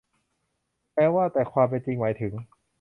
แปลว่า แต่ความเป็นจริงหมายถึง